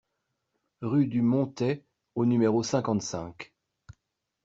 Rue du Montais au numéro cinquante-cinq